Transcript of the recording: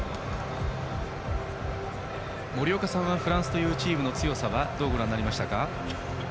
森岡さんはフランスというチームの強さはどうご覧になりましたか。